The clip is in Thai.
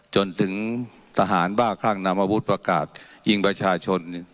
จนถึงทหารบ้าคลั่งนำอาวุธประกาศยิงประชาชน